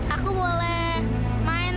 aku boleh main